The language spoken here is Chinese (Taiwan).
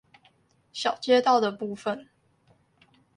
小街道的部分